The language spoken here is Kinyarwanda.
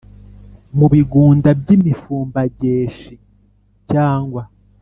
Mu bigunda by'imifumbageshi cyangwa